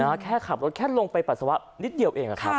แค่ขับรถแค่ลงไปปัสสาวะนิดเดียวเองอะครับ